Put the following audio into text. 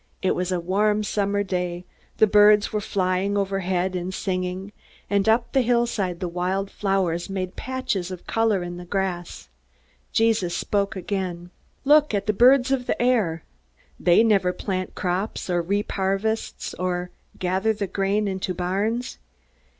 It was a warm summer day. The birds were flying overhead, and singing; and up the hillside the wild flowers made patches of color in the grass. Jesus spoke again: "Look at the birds of the air. They never plant crops, or reap harvests, or gather the grain into barns.